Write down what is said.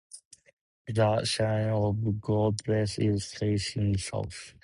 The shrine of Goddess is facing south.